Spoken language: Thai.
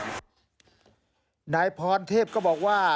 นายพรเทพก็บอกว่า